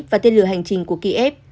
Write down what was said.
và tên lửa hành trình của kiev